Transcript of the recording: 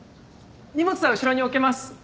荷物は後ろに置けます。